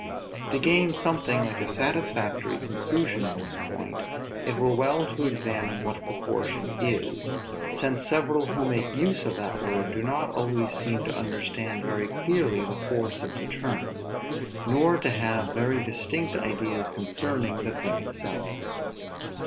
To gain something like a satisfactory conclusion in this point, it were well to examine what proportion is; since several who make use of that word do not always seem to understand very clearly the force of the term, nor to have very distinct ideas concerning the thing itself.